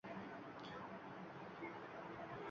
Bu gal g`aribona ust-boshidan iymanib kalovlanmadi